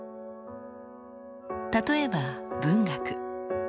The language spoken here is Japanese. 例えば文学。